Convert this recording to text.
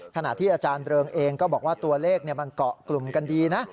ขณะที่อาจารย์เริงเองก็บอกว่าตัวเลขมันเกาะกลุ่มกันดีนะ